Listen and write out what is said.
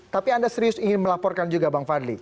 tapi anda serius ingin melaporkan juga bang fadli